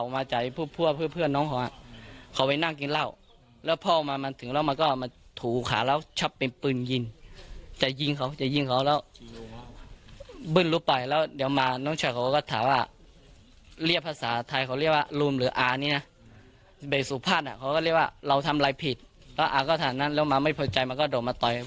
มันก็โดดมาต่อยกูทั้งให้น้ำพวกมันไม่โปรดใจแล้วมันโดดมาต่อย